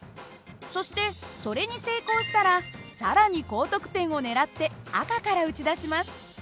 そしてそれに成功したら更に高得点を狙って赤から撃ち出します。